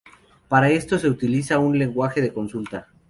Para esto se utiliza un Lenguaje de consulta.